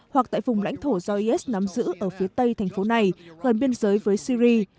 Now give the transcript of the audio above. hoặc tại vùng lãnh thổ do is nắm giữ ở phía tây thành phố này gần biên giới với syri